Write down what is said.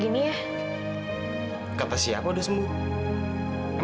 dari ke landasan kami juga sungguh merupakan tragam waiting